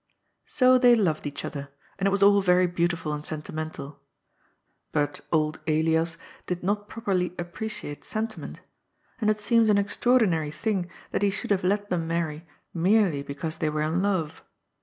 So they loved each other, and it was all very beautiful and sentimental ; but old Elias did not properly appreciate sentiment, and it seems an extraordinary thing that he should have let them marry merely because they were in love.